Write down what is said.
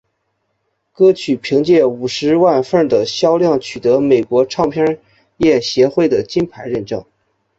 歌曲凭借五十万份的销量取得美国唱片业协会的金牌认证。